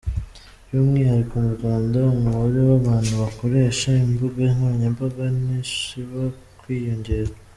By’umwihariko mu Rwanda, umubare w’abantu bakoresha imbuga nkoranyambaga ntusiba kwiyongera.